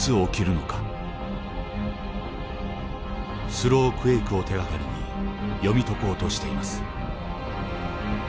スロークエイクを手がかりに読み解こうとしています。